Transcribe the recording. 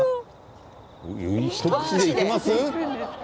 一口でいきます？